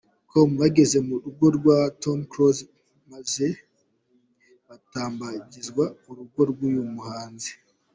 com bageze mu rugo kwa Tom Close maze batambagizwa urugo rw’uyu muhanzi.